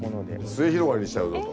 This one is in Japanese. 末広がりにしちゃうぞと。